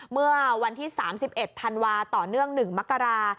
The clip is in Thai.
เมื่อวันที่๓๑ธันวาต่อเนื่อง๑มกรา